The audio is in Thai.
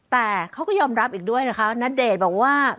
แต่เขาก็ยอมรับอีกด้วยนะคะณเดชน์บอกว่า